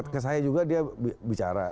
ke saya juga dia bicara